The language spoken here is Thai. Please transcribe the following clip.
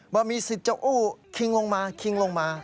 ว่ามีสิทธิ์จะอู้คิงลงมาคิงลงมา